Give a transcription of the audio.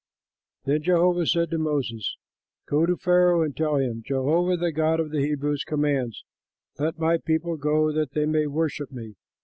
Then Jehovah said to Moses, "Go to Pharaoh and tell him, 'Jehovah the God of the Hebrews commands: Let my people go that they may worship me.